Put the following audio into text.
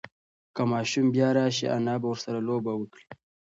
که ماشوم بیا راشي، انا به ورسره لوبه وکړي.